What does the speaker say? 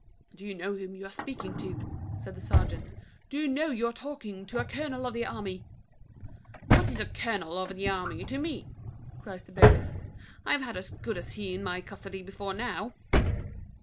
"Do you know whom you are speaking to?" said the serjeant. "Do you know you are talking to a colonel of the army?" "What's a colonel of the army to me?" cries the bailiff. "I have had as good as he in my custody before now."